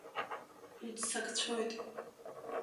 Уццакцәоит.